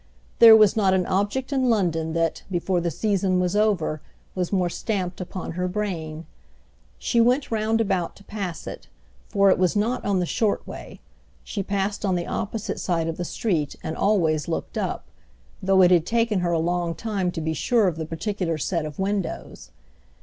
There was not an object in London that, before the season was over, was more stamped upon her brain. She went roundabout to pass it, for it was not on the short way; she passed on the opposite side of the street and always looked up, though it had taken her a long time to be sure of the particular set of windows.